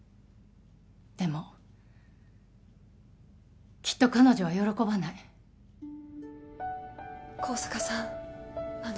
でもきっと彼女は喜ばない香坂さんあの